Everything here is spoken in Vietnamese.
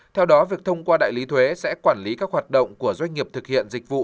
theo đó việc thông qua đại lý thuế sẽ quản lý các hoạt động của doanh nghiệp thực hiện dịch vụ